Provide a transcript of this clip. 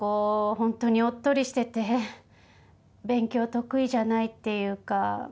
ホントにおっとりしてて勉強得意じゃないっていうか。